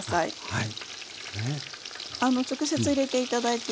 はい。